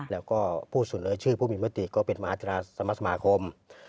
แล้วก็พูดส่วนเลยชื่อผู้มีมฤติก็เป็นมหาธิราชสมสมาคม